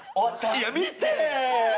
いや見て！